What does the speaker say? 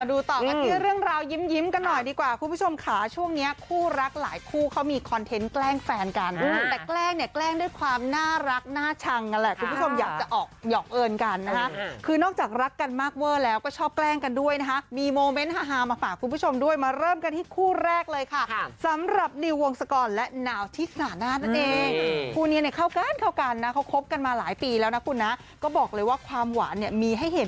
มาดูต่อกันด้วยเรื่องราวยิ้มกันหน่อยดีกว่าคุณผู้ชมขาช่วงเนี้ยคู่รักหลายคู่เขามีคอนเทนต์แกล้งแฟนกันแต่แกล้งเนี้ยแกล้งด้วยความน่ารักน่าชังน่ะแหละคุณผู้ชมอยากจะออกหยอกเอิญกันนะคะคือนอกจากรักกันมากเวอร์แล้วก็ชอบแกล้งกันด้วยนะคะมีโมเม้นท์ฮามาฝากคุณผู้ชมด้วยมาเริ่มกันที่คู่แ